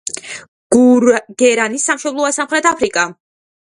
გერანის სამშობლოა სამხრეთ აფრიკა.